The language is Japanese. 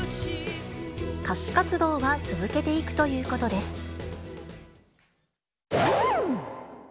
歌手活動は続けていくということです。